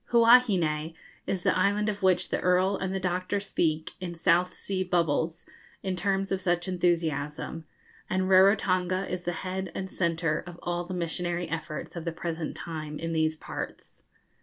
Huahine is the island of which the Earl and the Doctor speak, in 'South Sea Bubbles,' in terms of such enthusiasm, and Rarotonga is the head and centre of all the missionary efforts of the present time in these parts.